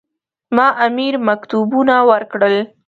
ما امیر مکتوبونه ورکړل.